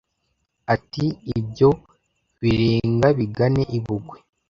ati: “ibyo birenga bigane i bungwe”